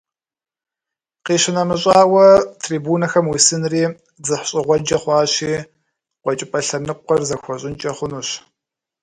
КъищынэмыщӀауэ, трибунэхэм уисынри дзыхьщӀыгъуэджэ хъуащи, «КъуэкӀыпӀэ» лъэныкъуэр зэхуащӀынкӀэ хъунущ.